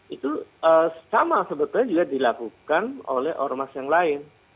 itu sama sebetulnya juga dilakukan oleh ormas yang lain